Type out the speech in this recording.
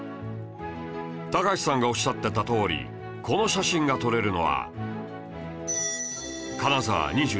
高橋さんがおっしゃっていたとおりこの写真が撮れるのは